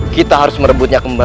kita harus merebutnya kembali